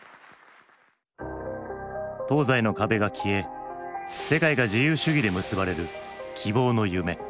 東西の壁が消え世界が自由主義で結ばれる希望の夢。